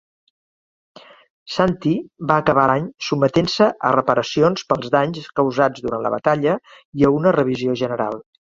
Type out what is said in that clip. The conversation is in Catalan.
"Santee" va acabar l'any sotmetent-se a reparacions pels danys causats durant la batalla i a una revisió general.